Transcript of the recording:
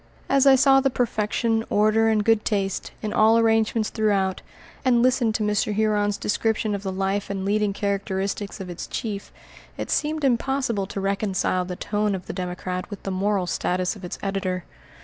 As I saw the perfection, order, and good taste, in all arrangements throughout, and listened to Mr. Huron's description of the life and leading characteristics of its chief, it seemed impossible to reconcile the tone of the Democrat with the moral status of its editor.